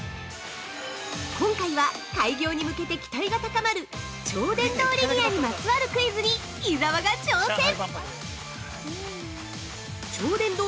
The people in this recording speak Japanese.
今回は開業に向けて期待が高まる超電導リニアにまつわるクイズに伊沢が挑戦！